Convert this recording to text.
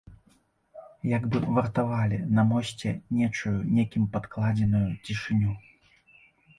Як бы вартавалі на мосце нечую, некім падкладзеную цішыню.